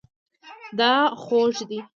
دا خوږ دی